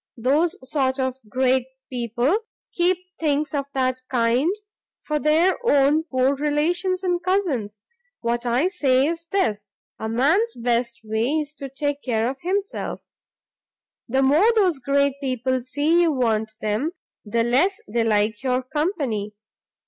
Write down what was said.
Those sort of great people keep things of that kind for their own poor relations and cousins. What I say is this; a man's best way is to take care of himself. The more those great people see you want them, the less they like your company.